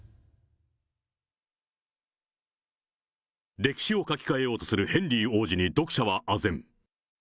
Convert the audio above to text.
歴史を書き換えようとするヘンリー王子に読者はあぜん。